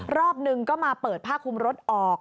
รอบหนึ่งก็มาเปิดผ้าคุมรถออก